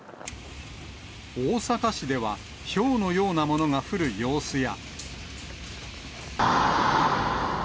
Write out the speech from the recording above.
大阪市ではひょうのようなものが降る様子や。